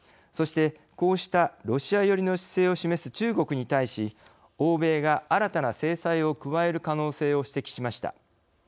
そして、こうしたロシア寄りの姿勢を示す中国に対し欧米が新たな制裁を加える可能性を指摘しました。